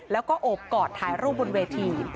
แล้วก็โอบกอดถ่ายรูปบนเวที